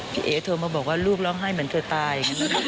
เอ๋โทรมาบอกว่าลูกร้องไห้เหมือนตัวตาย